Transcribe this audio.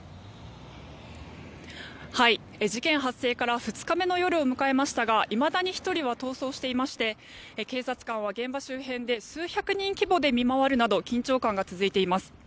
事件発生から２日目の夜を迎えましたがいまだに１人は逃走していまして警察官は現場周辺で数百人規模で見回るなど緊張感が続いています。